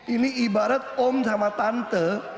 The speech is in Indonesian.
ini ibarat om sama tante